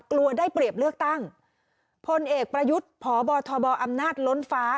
กลัวได้เปรียบเลือกตั้งพลเอกประยุทธ์พบทบอำนาจล้นฟ้า